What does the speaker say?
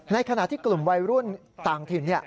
ขณะที่กลุ่มวัยรุ่นต่างถิ่น